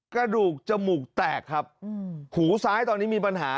กระดูกจมูกแตกครับหูซ้ายตอนนี้มีปัญหา